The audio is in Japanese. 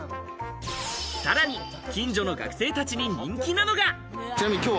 さらに、近所の学生たちに人気なのが。